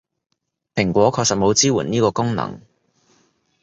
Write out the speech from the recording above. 蘋果確實冇支援呢個功能